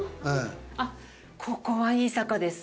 あっここはいい坂です。